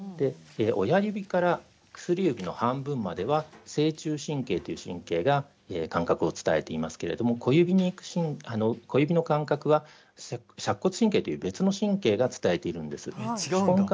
親指から薬指の半分までは正中神経という神経が感覚を伝えていますけど小指の感覚は尺骨神経という別の神経が伝えているんです。